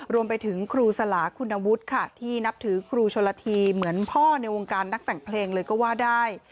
รวมไปถึงครูสลาคุณวุฒิค่ะที่นับถือครูชนละทีเหมือนพ่อในวงการนักแต่งเพลงเลยก็ว่าได้